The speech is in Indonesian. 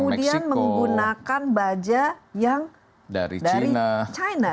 kemudian menggunakan baja yang dari china